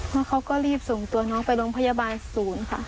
แล้วเขาก็รีบส่งตัวน้องไปโรงพยาบาลศูนย์ค่ะ